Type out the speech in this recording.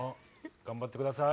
頑張ってください。